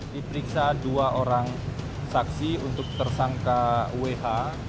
diperiksa dua orang saksi untuk tersangka wh